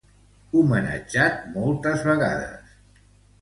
Homenatjat moltes vegades.